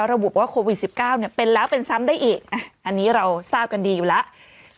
ระบุว่าโควิด๑๙เป็นแล้วเป็นซ้ำได้อีกอันนี้เราทราบกันดีอยู่แล้ว